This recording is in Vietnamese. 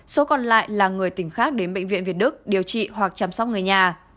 số còn lại là người tỉnh khác đến bệnh viện việt đức điều trị hoặc chăm sóc người nhà